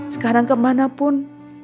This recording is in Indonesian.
sekarang kemana pun